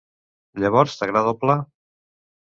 Llavors t'agrada el pla?